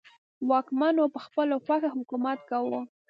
واکمنو په خپله خوښه حکومت کاوه.